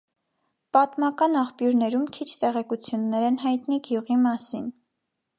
Պատմական աղբյուրներում քիչ տեղեկություններ են հայտնի գյուղի մասին։